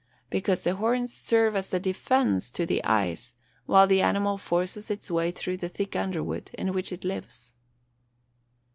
_ Because the horns serve as a defence to the eyes while the animal forces its way through the thick underwood in which it lives.